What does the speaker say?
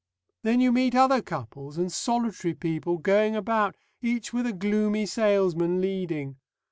"Then you meet other couples and solitary people going about, each with a gloomy salesman leading.